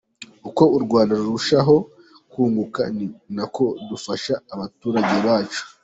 Uko u Rwanda rurushaho kunguka ni nako dufasha abaturage bacu.